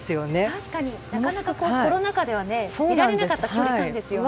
確かに、なかなかコロナ禍では見られなかった距離感ですよね。